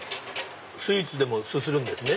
スイーツでもすするんですね。